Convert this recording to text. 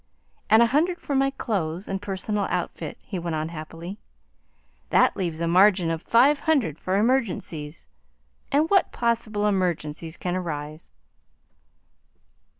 "And a hundred for my clothes and personal outfit," he went on happily; "that leaves a margin of five hundred for emergencies. And what possible emergencies can arise?"